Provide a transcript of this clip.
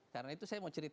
karena itu saya mau cerita